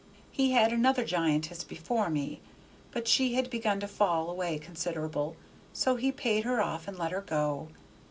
He had another giantess before me, but she had begun to fall away consider'ble, so he paid her off and let her go.